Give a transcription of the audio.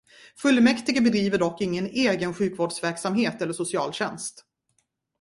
Fullmäktige bedriver dock ingen egen sjukvårdsverksamhet eller socialtjänst.